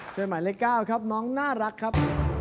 หมายเลข๙ครับน้องน่ารักครับ